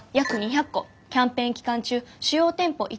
キャンペーン期間中主要店舗１